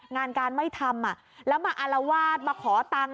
งานการไม่ทำแล้วมาอารวาสมาขอตังค์